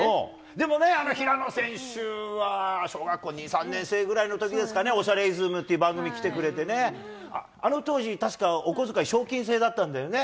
でもね、平野選手は小学校２、３年生のときぐらいですかね、おしゃれイズムという番組来てくれてね、あの当時、確かお小遣い賞金制だったんだよね。